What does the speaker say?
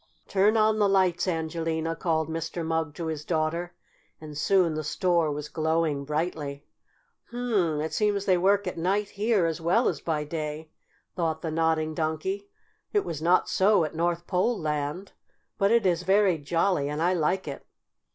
"Turn on the lights, Angelina," called Mr. Mugg to his daughter, and soon the store was glowing brightly. "Hum! It seems they work at night here, as well as by day," thought the Nodding Donkey. "It was not so at North Pole Land. But it is very jolly, and I like it."